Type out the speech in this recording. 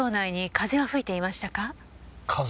風？